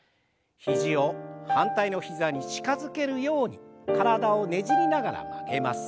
肘を反対の膝に近づけるように体をねじりながら曲げます。